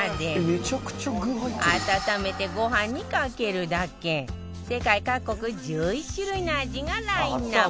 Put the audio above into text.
「めちゃくちゃ具入ってる」温めてご飯にかけるだけ世界各国１１種類の味がラインアップ